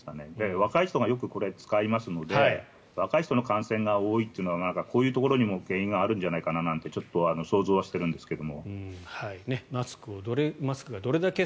若い人がよくこれを使いますので若い人の感染が多いというのはこういうところにも原因があるんじゃないかなとちょっと想像はしてるんですけど。